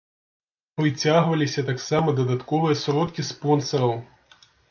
Прыцягваліся таксама дадатковыя сродкі спонсараў.